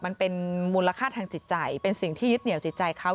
มันเป็นมูลค่าทางจิตใจเป็นสิ่งที่ยึดเหนียวจิตใจเขา